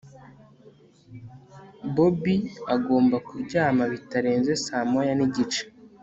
Bobby agomba kuryama bitarenze saa moya nigice